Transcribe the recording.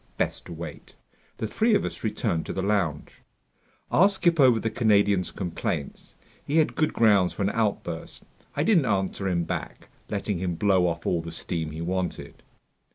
Best to wait. The three of us returned to the lounge. I'll skip over the Canadian's complaints. He had good grounds for an outburst. I didn't answer him back, letting him blow off all the steam he wanted.